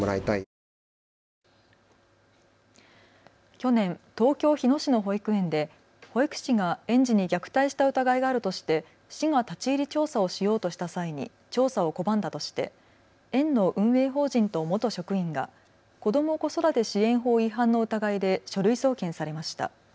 去年、東京日野市の保育園で保育士が園児に虐待した疑いがあるとして市が立ち入り調査をしようとした際に調査を拒んだとして園の運営法人と元職員が子ども・子育て支援法違反の疑いで書類送検されました。